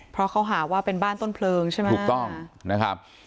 เพราะเขาหาว่าเป็นบ้านต้นเพลิงใช่ไหมถูกต้องนะครับ